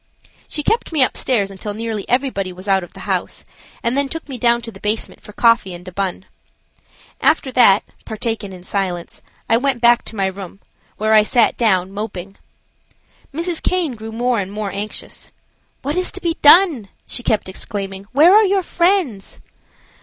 She kept me up stairs until nearly everybody was out of the house, and then took me down to the basement for coffee and a bun. After that, partaken in silence, I went back to my room, where I sat down, moping. Mrs. Caine grew more and more anxious. "What is to be done?" she kept exclaiming. "Where are your friends?"